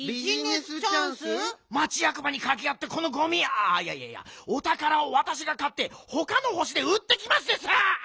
町やくばにかけあってこのゴミいやいやおたからをわたしがかってほかのほしでうってきますです！